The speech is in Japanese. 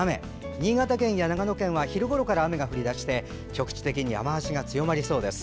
新潟県や長野県は昼ごろから雨が降り出して局地的に雨足が強まりそうです。